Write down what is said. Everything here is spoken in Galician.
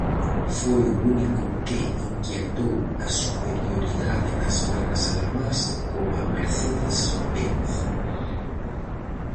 Foi o único que inquietou a superioridade das marcas alemás, coma Mercedes-Benz.